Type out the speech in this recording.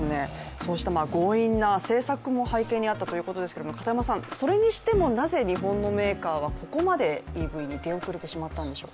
そうした強引な政策も背景にあったということですが片山さん、それにしてもなぜ日本のメーカーはここまで出遅れてしまったんでしょう。